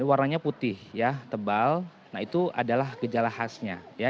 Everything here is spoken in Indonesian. warna putih tebal nah itu adalah gejala khasnya